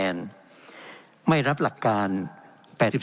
เป็นของสมาชิกสภาพภูมิแทนรัฐรนดร